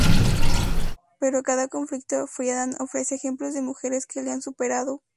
Para cada conflicto, Friedan ofrece ejemplos de mujeres que la han superado.